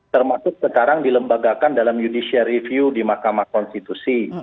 termasuk sekarang dilembagakan dalam judicial review di mahkamah konstitusi